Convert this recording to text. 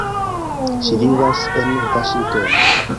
Ŝi vivas en Vaŝingtono.